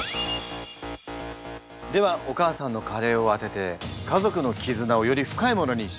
ではお母さんのカレーを当てて家族の絆をより深いものにしましょう。